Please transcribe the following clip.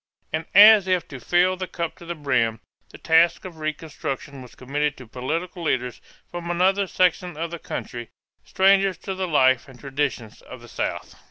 And as if to fill the cup to the brim, the task of reconstruction was committed to political leaders from another section of the country, strangers to the life and traditions of the South.